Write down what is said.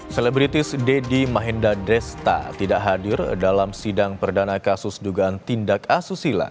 selebritis deddy mahendah desta tidak hadir dalam sidang perdana kasus dugaan tindak asusila